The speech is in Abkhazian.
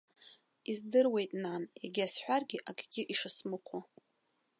Издыруеит, нан, егьа сҳәаргьы, акгьы ишысмыхәо.